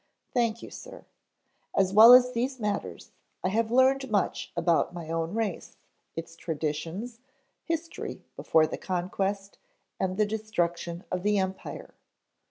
"Thank you, sir. As well as these matters, I have learned much about my own race, its traditions, history before the conquest and the destruction of the Empire.